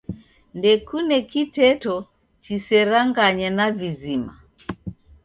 Ndekune kiteto chiserangane na vizima.